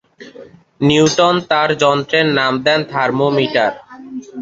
Newton তাঁর যন্ত্রের নাম দেন "থার্মোমিটার"।